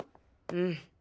うん。